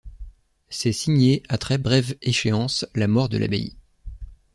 C’est signer, à très brève échéance, la mort de l’abbaye.